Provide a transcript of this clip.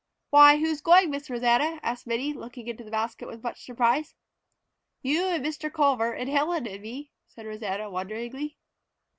"Why, who's going, Miss Rosanna?" asked Minnie, looking into the basket with much surprise. "You and Mr. Culver and Helen and me," said Rosanna wonderingly.